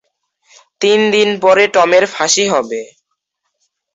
তিন দিন পরে টমের ফাঁসি হবে।